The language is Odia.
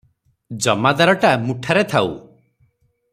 ଜମାଦାରଟା ମୁଠାରେ ଥାଉ